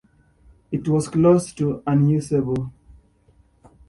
It was close to unusable.